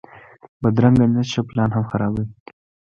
بدرنګه نیت ښه پلان هم خرابوي